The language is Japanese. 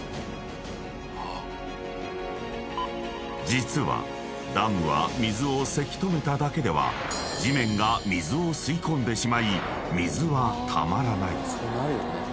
［実はダムは水をせき止めただけでは地面が水を吸い込んでしまい水はたまらない］